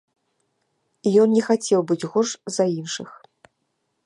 Ён не хацеў быць горш за іншых.